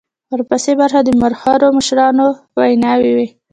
ورپسې برخه د مخورو مشرانو ویناوي وې.